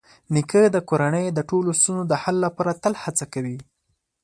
نیکه د کورنۍ د ټولو ستونزو د حل لپاره تل هڅه کوي.